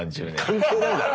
関係ないだろ。